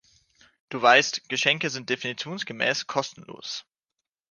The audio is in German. Du weißt, Geschenke sind definitionsgemäß kostenlos.